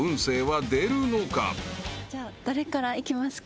じゃあ誰からいきますか？